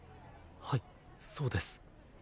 はいそうです。